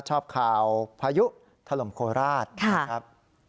ชอบข่าวพายุถล่มโคราชนะครับ